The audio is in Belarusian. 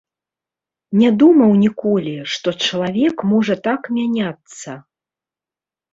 Не думаў ніколі, што чалавек можа так мяняцца